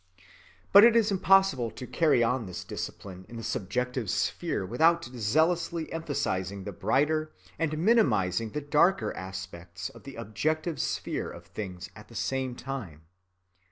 But it is impossible to carry on this discipline in the subjective sphere without zealously emphasizing the brighter and minimizing the darker aspects of the objective sphere of things at the same time.